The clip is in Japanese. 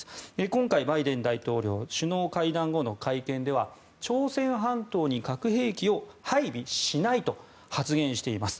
今回、バイデン大統領首脳会談後の会見では朝鮮半島に核兵器を配備しないと発言しています。